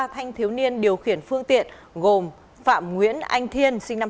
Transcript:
ba thanh thiếu niên điều khiển phương tiện gồm phạm nguyễn anh thiên sinh năm hai nghìn năm